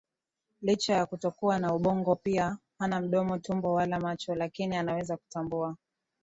Licha ya kutokuwa na ubongo pia hana mdomo tumbo wala macho lakini anaweza kutambua